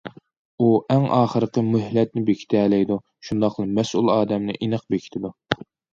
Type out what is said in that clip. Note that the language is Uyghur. ئۇ ئەڭ ئاخىرقى مۆھلەتنى بېكىتەلەيدۇ، شۇنداقلا مەسئۇل ئادەمنى ئېنىق بېكىتىدۇ.